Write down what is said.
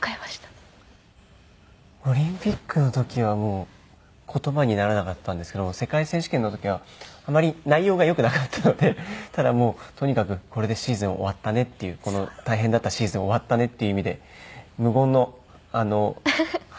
オリンピックの時はもう言葉にならなかったんですけど世界選手権の時はあまり内容がよくなかったのでただとにかくこれでシーズン終わったねっていうこの大変だったシーズン終わったねっていう意味で無言のハグがあったと思います。